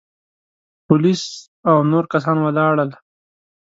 پوليس او نور کسان ولاړل.